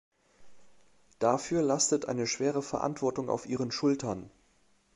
Dafür lastet eine schwere Verantwortung auf ihren Schultern.